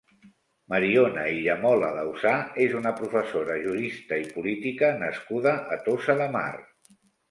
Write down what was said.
Mariona Illamola Dausà és una professora, jurista i política nascuda a Tossa de Mar.